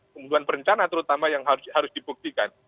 kemudian perencanaan terutama yang harus dibuktikan